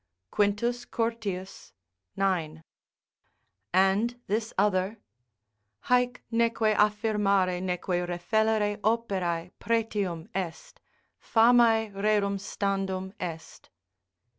Quintus Curtius, ix.] and this other: "Haec neque affirmare neque refellere operae pretium est; famae rerum standum est."